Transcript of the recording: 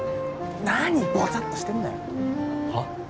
なにボサッとしてんだよはっ？